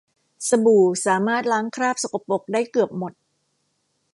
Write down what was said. สบู่สามารถล้างคราบสกปรกได้เกือบหมด